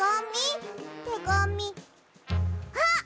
あっ！